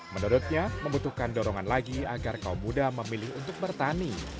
menurutnya membutuhkan dorongan lagi agar kaum muda memilih untuk bertani